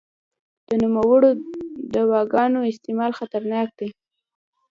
د نوموړو دواګانو استعمال خطرناک دی.